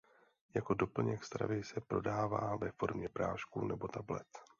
Jako doplněk stravy se prodává ve formě prášku nebo tablet.